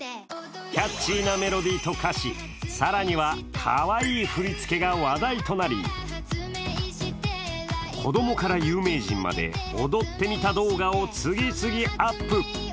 キャッチャーなメロディーと歌詞、更にはかわいい振り付けが話題となり、子供から有名人まで踊ってみた動画を次々アップ。